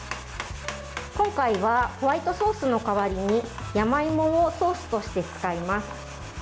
今回はホワイトソースの代わりに山芋をソースとして使います。